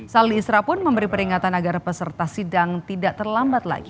saldi isra pun memberi peringatan agar peserta sidang tidak terlambat lagi